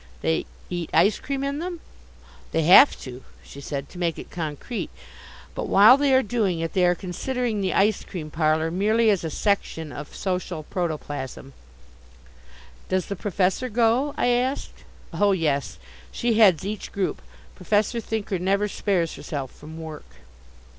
"They eat ice cream in them?" "They have to," she said, "to make it concrete. But while they are doing it they are considering the ice cream parlour merely as a section of social protoplasm." "Does the professor go?" I asked. "Oh, yes, she heads each group. Professor Thinker never spares herself from work."